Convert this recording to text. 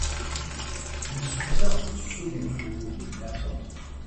Il soutient au second tour le maire sortant.